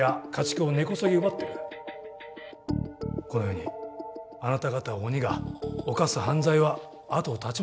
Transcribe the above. このようにあなた方鬼が犯す犯罪は後を絶ちません。